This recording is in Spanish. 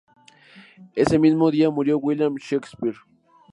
Ese mismo día murió William Shakespeare.